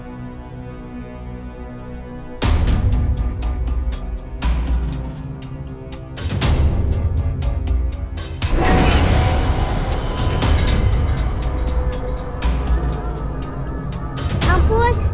ya udah panggil diri